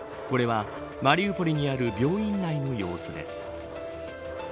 これはマリウポリにある病院内の様子です。